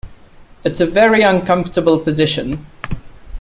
It's a very uncomfortable position.